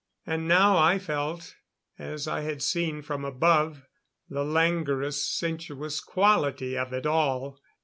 And now I felt as I had seen from above the languorous, sensuous quality of it all.